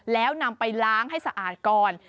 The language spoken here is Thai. แล้วนำไปล้างให้สะอาดก่อน